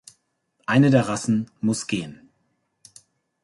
Eine der Rassen muss gehen.